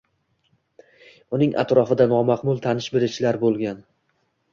Uning atrofida nomaqbul tanish-bilishlar bo’lgan.